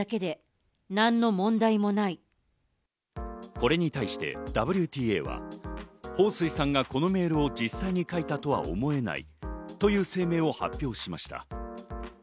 これに対してＷＴＡは、ホウ・スイさんがこのメールを実際に書いたとは思えないという声明を発表しました。